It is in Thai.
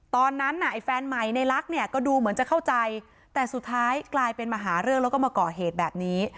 ตอนนั้นน่ะไอ้แฟนใหม่ในลักษณ์เนี่ยก็ดูเหมือนจะเข้าใจแต่สุดท้ายกลายเป็นมาหาเรื่องแล้วก็มาก่อเหตุแบบนี้